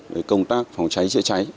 với công tác phòng cháy chữa cháy